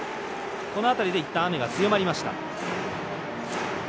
この辺りでいったん雨が強まりました。